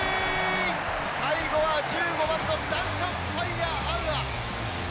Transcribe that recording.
最後は１５番ダンカン・パイアアウア。